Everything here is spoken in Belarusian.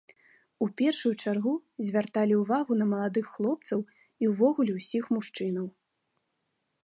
У першую чаргу звярталі ўвагу на маладых хлопцаў і ўвогуле ўсіх мужчынаў.